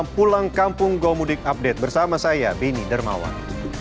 pulang kampung gomudik update bersama saya beni dermawan